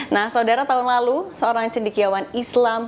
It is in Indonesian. nah saudara tahun lalu seorang cendikiawan islam